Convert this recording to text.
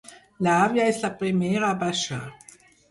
L'àvia és la primera a baixar.